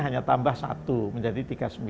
hanya tambah satu menjadi tiga puluh sembilan